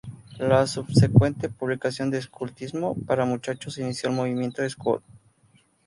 La subsecuente publicación de "Escultismo para muchachos" inicio el movimiento scout.